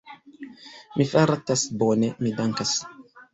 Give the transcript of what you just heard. Mi fartas bone, mi dankas.